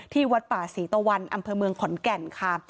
วัดป่าศรีตะวันอำเภอเมืองขอนแก่นค่ะ